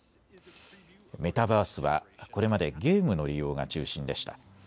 メタバースはこれまでゲームの利用が中心でした。